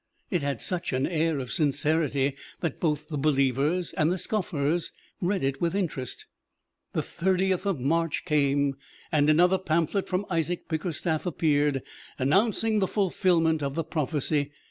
It had such an air of sincerity that both the believers and the scoffers read it with interest. The Thirtieth of March came, and another pamphlet from "Isaac Bickerstaff" appeared, announcing the fulfilment of the prophecy.